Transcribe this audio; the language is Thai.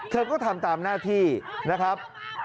เธอก็ทำตามหน้าที่นะครับ